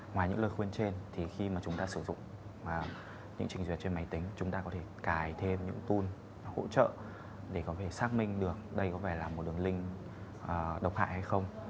ngoài những lời khuyên trên thì khi mà chúng ta sử dụng những trình duyệt trên máy tính chúng ta có thể cài thêm những tool hỗ trợ để có thể xác minh được đây có vẻ là một đường link độc hại hay không